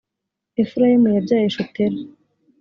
efurayimu yabyaye shutela.